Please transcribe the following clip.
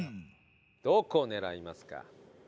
どこ狙いますか？